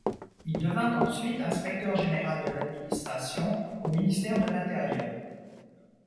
Il devint ensuite Inspecteur Général de l'Administration au Ministère de l'Intérieur.